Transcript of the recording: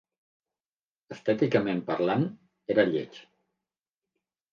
Estèticament parlant, era lleig.